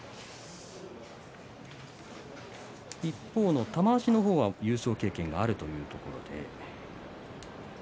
一方の玉鷲の方は優勝経験があるというところで。